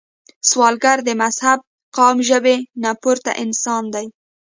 سوالګر د مذهب، قام، ژبې نه پورته انسان دی